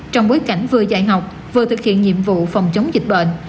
trong bối cảnh vừa dạy học vừa thực hiện nhiệm vụ phòng chống dịch bệnh